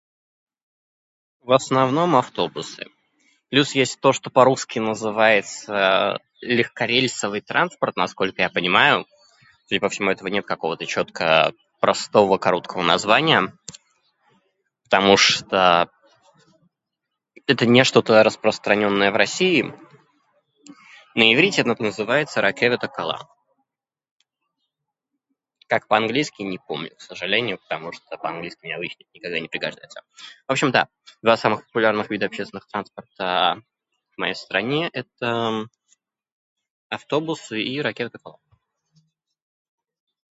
"В основном автобусы. Плюс есть то, что по-русски называется ""легкорельсовый транспорт"", насколько я понимаю. Судя по всему у этого нет какого-то чётко простого, короткого названия, потому что это не что-то распространённое в России. На иврите это называется ""רכבת הקלה"". Как по-английски не помню, к сожалению, потому что по-английски мне обычно это никогда не пригождается. В общем да, два самых популярных вида общественных транспорта в моей стране - это автобусы и רכבת הקלה."